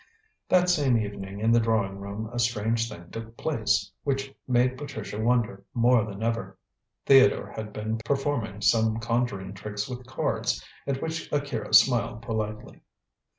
That same evening in the drawing room a strange thing took place, which made Patricia wonder more than ever. Theodore had been performing some conjuring tricks with cards at which Akira smiled politely.